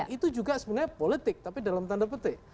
itu juga sebenarnya politik tapi dalam tanda petik